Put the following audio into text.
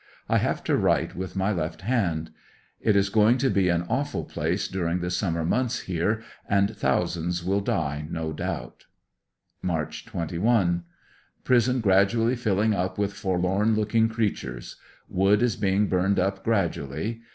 1 have to write with my left hand It is oing to be an awful place during the summer months here, and thousands will die no doubt March 21. — Prison gradually filling up with forlorn looking crea tures. Wood is being burned up gradually.